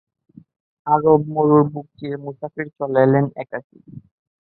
আরব মরুর বুক চিরে মুসাফির চলেছেন একাকী।